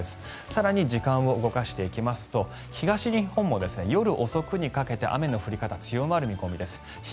更に時間を動かしていきますと東日本も夜遅くにかけて雨の降り方が強まる見込みです。